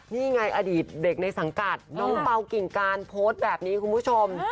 นี่ไงอดีตเด็กในสังกัดน้องเปล่ากิ่งการโพสต์แบบนี้คุณผู้ชม